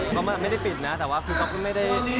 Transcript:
ก๊อปไม่ได้ปิดนะแต่ว่าคือก๊อปก็ไม่ได้